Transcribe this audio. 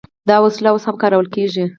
دا وسله اوس هم کارول کیږي.